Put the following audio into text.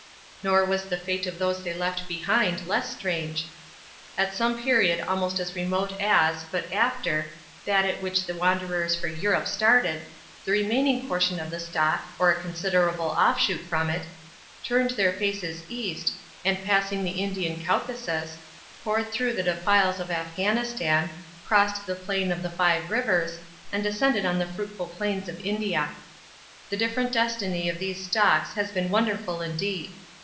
Nor was the fate of those they left behind less strange. At some period almost as remote as, but after, that at which the wanderers for Europe started, the remaining portion of the stock, or a considerable offshoot from it, turned their faces east, and passing the Indian Caucasus, poured through the defiles of Affghanistan, crossed the plain of the Five Rivers, and descended on the fruitful plains of India. The different destiny of these stocks has been wonderful indeed.